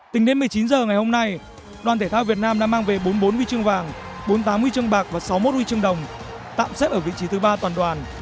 tính đến một mươi chín h ngày hôm nay đoàn thể thao việt nam đã mang về bốn mươi bốn huy chương vàng bốn mươi tám huy chương bạc và sáu mươi một huy chương đồng tạm xếp ở vị trí thứ ba toàn đoàn